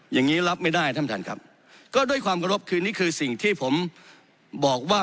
อย่างนี้รับไม่ได้ท่านประธานครับก็ด้วยความกระรบคือนี่คือสิ่งที่ผมบอกว่า